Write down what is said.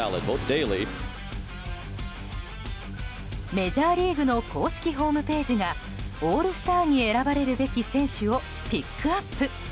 メジャーリーグの公式ホームページがオールスターに選ばれるべき選手をピックアップ。